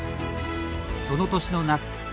その年の夏